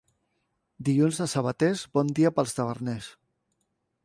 Dilluns de sabaters, bon dia pels taverners.